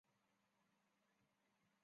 每一组均有三名参赛者。